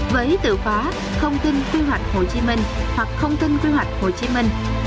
với tựa khóa thông tin quy hoạch hồ chí minh hoặc thông tin quy hoạch hồ chí minh